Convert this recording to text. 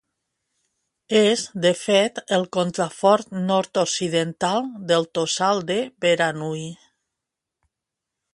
És, de fet, el contrafort nord-occidental del Tossal de Beranui.